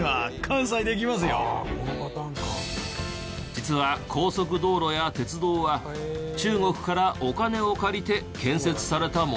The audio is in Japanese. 実は高速道路や鉄道は中国からお金を借りて建設されたもの。